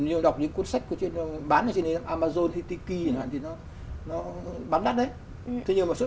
nhưng mà đọc những cuốn sách bán trên amazon hay tiki thì nó bán đắt đấy